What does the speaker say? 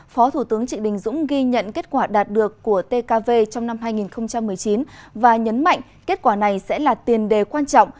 phó thủ tướng trịnh đình dũng ghi nhận kết quả đạt được của tkv trong năm hai nghìn một mươi chín và nhấn mạnh kết quả này sẽ là tiền đề quan trọng